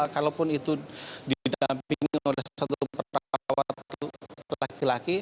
kalaupun itu di dalam pingin oleh satu perawat laki laki